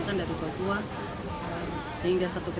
terima kasih residue